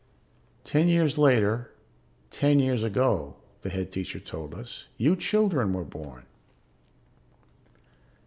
"Ten years later, ten years ago," the Head Teacher told us, "you children were born.